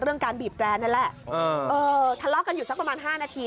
การบีบแกรนนั่นแหละทะเลาะกันอยู่สักประมาณ๕นาที